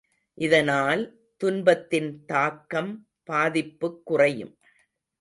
இதனால் துன்பத்தின் தாக்கம் பாதிப்புக் குறையும்!